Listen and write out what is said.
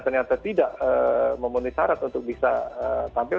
ternyata tidak memenuhi syarat untuk bisa tampil